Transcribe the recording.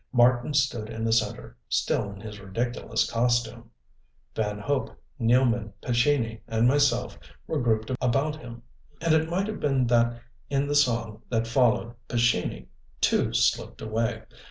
Marten stood in the center, still in his ridiculous costume. Van Hope, Nealman, Pescini and myself were grouped about him. And it might have been that in the song that followed Pescini too slipped away.